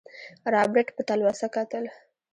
رابرټ په تلوسه کتل.